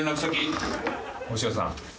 大城さん